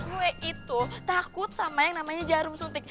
gue itu takut sama yang namanya jarum suntik